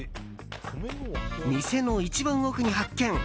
店の一番奥に発見。